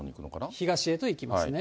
東へと行きますね。